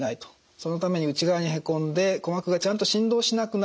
そのために内側にへこんで鼓膜がちゃんと振動しなくなるんですね。